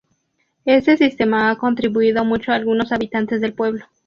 Este sistema ha contribuido mucho a algunos habitantes del pueblo.